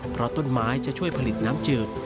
เพราะต้นไม้จะช่วยผลิตน้ำจืด